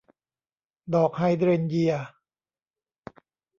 ดอกไฮเดรนเยีย